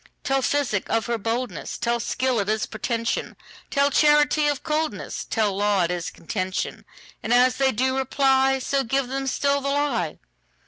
Tell physic of her boldness; Tell skill it is pretension; Tell charity of coldness; Tell law it is contention:And as they do reply, So give them still the lie.